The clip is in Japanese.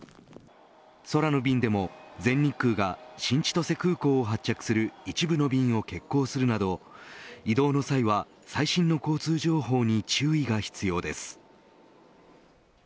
空の便でも全日空が新千歳空港を発着する一部の便を欠航するなど移動の際は最新の交通情報に注意が必要です。